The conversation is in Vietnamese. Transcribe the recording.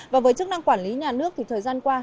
và với chức năng quản lý nhà nước thì thời gian qua